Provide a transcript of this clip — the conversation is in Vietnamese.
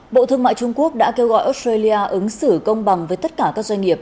bộ thương mại trung quốc đã kêu gọi australia ứng xử công bằng với tất cả các doanh nghiệp